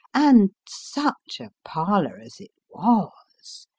And such a parlour as it was